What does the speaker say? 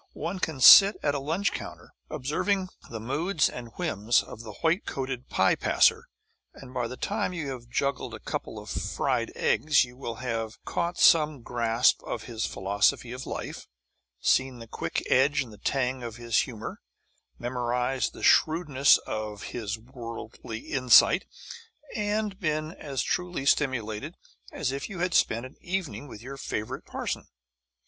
One can sit at a lunch counter, observing the moods and whims of the white coated pie passer, and by the time you have juggled a couple of fried eggs you will have caught some grasp of his philosophy of life, seen the quick edge and tang of his humour, memorized the shrewdness of his worldly insight and been as truly stimulated as if you had spent an evening with your favourite parson.